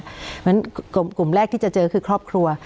เพราะฉะนั้นกลุ่มแรกที่จะเจอคือครอบครัว